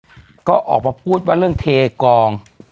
แล้วก็ออกมาพูดว่าเรื่องเทกอง